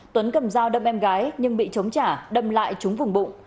tuấn cầm dao đâm em gái nhưng bị chống trả đâm lại trúng vùng bụng